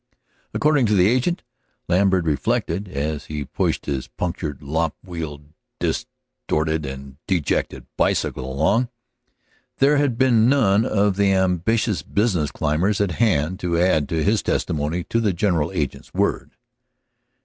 According to the agent, Lambert reflected, as he pushed his punctured, lop wheeled, disordered, and dejected bicycle along; there had been none of the ambitious business climbers at hand to add his testimony to the general agent's word.